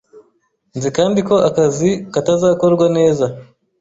Nzi kandi ko akazi katazakorwa neza.